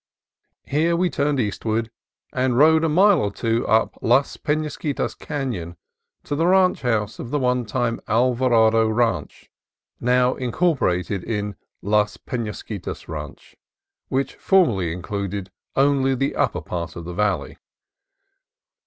Here we turned eastward and rode a mile or two up Las Penasquitas Canon to the ranch house of the one time Alvarado Ranch, now incor porated in Las Penasquitas Ranch, which formerly included only the upper part of the valley.